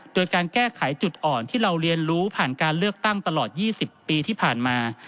โดยการแก้ไขจุดอ่อนที่เราเรียนรู้ผ่านการเลือกตั้งตลอด๒๐ปีที่ผ่านมา